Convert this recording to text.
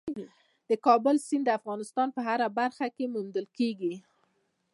د کابل سیند د افغانستان په هره برخه کې موندل کېږي.